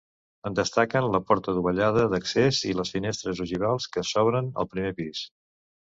En destaquen la porta dovellada d'accés i les finestres ogivals que s'obren al primer pis.